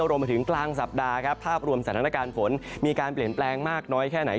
รวมไปถึงกลางสัปดาห์ครับภาพรวมสถานการณ์ฝนมีการเปลี่ยนแปลงมากน้อยแค่ไหน